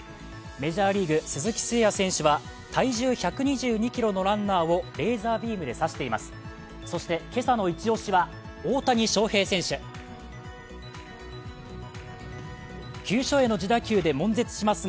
メジャーリーグ、鈴木誠也選手は体重１２２ｋｇのランナーをレーザービームでさしています。